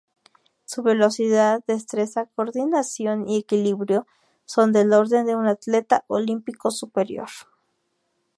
Su velocidad, destreza, coordinación y equilibrio son del orden de un atleta olímpico superior.